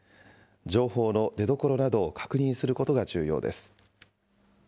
情報の出どころなどを確認することが重要です。